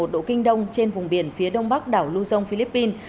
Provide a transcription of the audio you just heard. một trăm hai mươi ba một độ kinh đông trên vùng biển phía đông bắc đảo lưu dông philippines